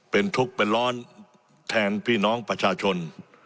เป็นทุกข์เป็นร้อนแทนพี่น้องประชาชน